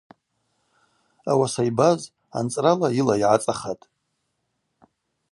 Ауаса йбаз анцӏрала йыла йгӏацӏахатӏ.